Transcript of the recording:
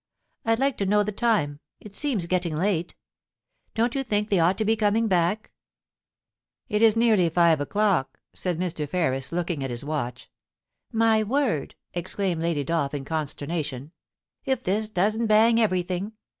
I'd like to know the time ; it seems getting late. Don't you think they ought to be coming back ?It is nearly five o'clock,' said Mr. Ferris, looking at his watch. * My word !' exclaimed Lady Dolph in consternation, ^f this doesn't bang everything.